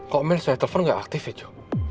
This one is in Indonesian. kok mel soal telepon gak aktif ya jo